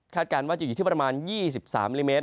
การว่าจะอยู่ที่ประมาณ๒๓ลิเมตร